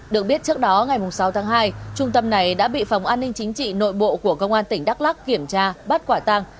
được biết trước đó ngày sáu tháng hai trung tâm này đã bị phòng an ninh chính trị nội bộ của công an tỉnh đắk lắc kiểm tra bắt quả tăng